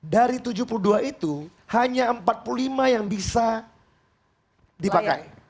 dari tujuh puluh dua itu hanya empat puluh lima yang bisa dipakai